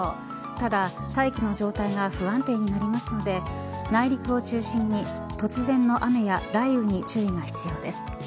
ただ、大気の状態が不安定になりますので内陸を中心に突然の雨や雷雨に注意が必要です。